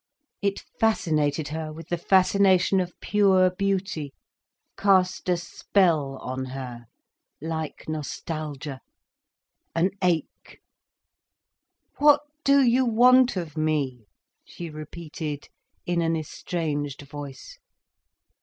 It fascinated her with the fascination of pure beauty, cast a spell on her, like nostalgia, an ache. "What do you want of me?" she repeated in an estranged voice.